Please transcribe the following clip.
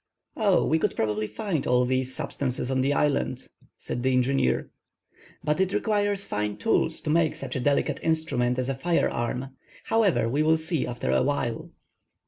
"Oh, we could probably find all these substances on the island," said the engineer. "But it requires fine tools to make such a delicate instrument as a firearm. However, we will see after awhile."